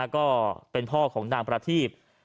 ก็เป็นพ่อของนางประทีบ